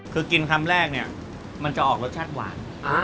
คือกินคำแรกเนี่ยมันจะออกรสชาติหวาน